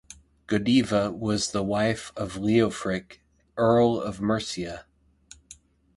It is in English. Godiva was the wife of Leofric, Earl of Mercia.